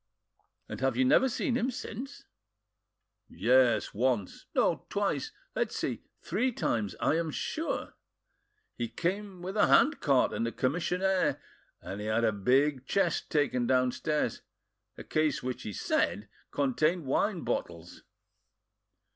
"And have you never seen him since?" "Yes, once—no, twice. Let's see—three times, I am sure. He came with a hand cart and a commissionaire, and had a big chest taken downstairs—a case which he said contained wine in bottles....